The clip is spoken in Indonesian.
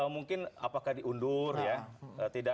mungkin apakah diundur ya